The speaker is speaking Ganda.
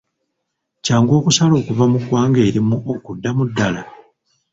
Kyangu okusala okuva mu ggwanga erimu okudda mu ddaala?